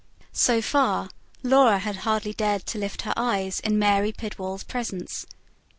So far, Laura had hardly dared to lift her eyes in Mary Pidwall's presence.